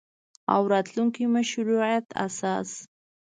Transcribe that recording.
او راتلونکي مشروعیت اساس